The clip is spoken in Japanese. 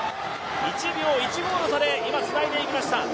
１秒１５の差でつないでいきました。